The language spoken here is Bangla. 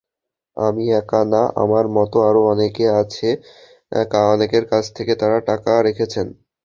আমি একা না, আমার মতো আরও অনেকের কাছ থেকে তাঁরা টাকা রেখেছেন।